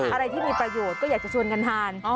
อะไรที่มีประโยชน์ก็อยากจะชวนกันทาน